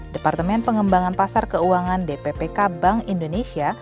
departemen pengembangan pasar keuangan dppk bank indonesia